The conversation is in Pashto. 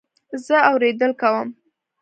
زه اورېدل کوم